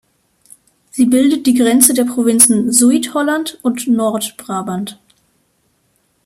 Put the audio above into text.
Sie bildet die Grenze der Provinzen Zuid-Holland und Noord-Brabant.